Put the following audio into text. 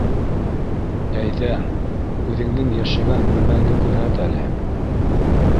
Әйҙә үҙеңдең йәшәгән бүлмәңде күрһәт әле.